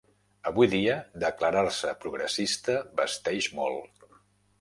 Avui dia declarar-se progressista vesteix molt.